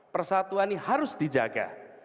persatuan ini harus dijaga